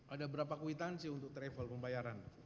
ada berapa kwitansi untuk travel pembayaran